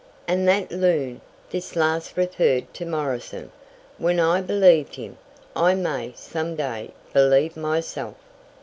"And that loon!" This last referred to Morrison. "When I believed him, I may, some day, believe myself!"